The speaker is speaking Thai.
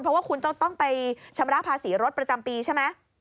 เพราะว่าคุณต้องไปชำระภาษีรถประจำปีใช่ไหม